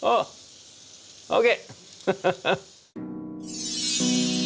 ＯＫ！